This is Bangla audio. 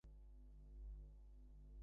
আপনার কাজ নিয়ে।